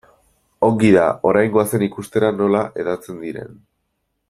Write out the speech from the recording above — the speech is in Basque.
Ongi da, orain goazen ikustera nola hedatzen diren.